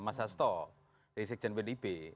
mas hasto dari sekjen pdip